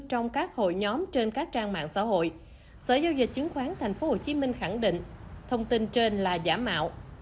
sở giao dịch chứng khoán tp hcm khẳng định các thông tin trên là giả mạo